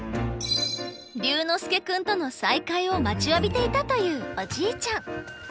琉之介君との再会を待ちわびていたというおじいちゃん。